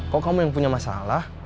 kok kamu yang punya masalah